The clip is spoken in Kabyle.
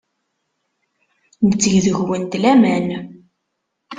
Netteg deg-went laman.